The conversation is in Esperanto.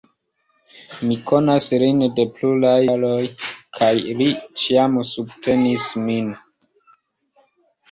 Mi konas lin de pluraj jaroj, kaj li ĉiam subtenis min.